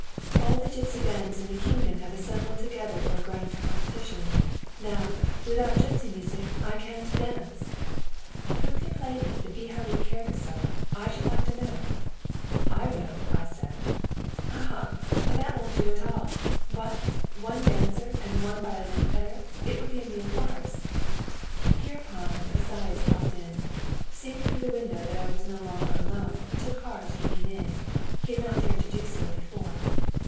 'All the gipsy bands in the kingdom have assembled together for a grand competition.... Now, without gipsy music I can't dance. Who can play me the "Bihari Kesergó," I should like to know?' ('I will!' I said.) 'Ha! ha! ha! that wouldn't do at all! What? one dancer and one violin player! it would be a mere farce.' "Hereupon Esaias popped in. Seeing through the window that I was no longer alone, he took heart and came in. He had not dared to do so before."